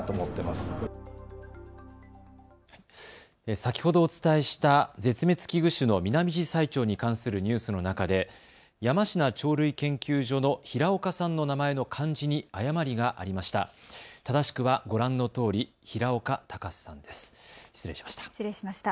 先ほどお伝えした絶滅危惧種のミナミジサイチョウに関するニュースの中で山階鳥類研究所の平岡さんの名前の漢字に誤りがありました。